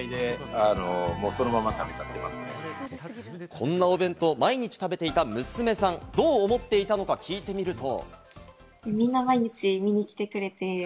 こんなお弁当を毎日食べていた娘さん、どう思っていたのか聞いてみると。